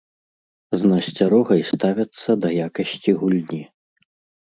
З насцярогай ставяцца да якасці гульні.